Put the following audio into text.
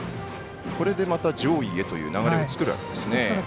これでまた上位へという流れを作るわけですね。